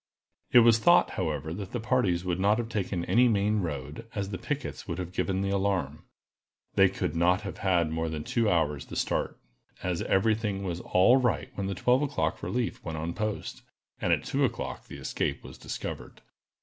It was thought, however, that the parties would not have taken any main road, as the pickets would have given the alarm. They could not have had more than two hours the start, as every thing was all right when the twelve o'clock relief went on post, and at two o'clock the escape was discovered.